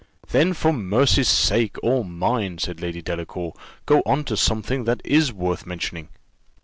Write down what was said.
"Then, for mercy's sake, or mine," said Lady Delacour, "go on to something that is worth mentioning."